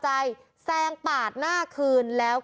เพราะถูกทำร้ายเหมือนการบาดเจ็บเนื้อตัวมีแผลถลอก